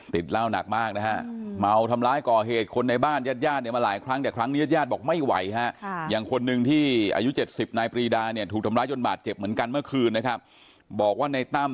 ติดเหล้านักมากนะฮะเมาทำร้ายก่อเหตุคนในบ้านญาติญาติมาหลายครั้ง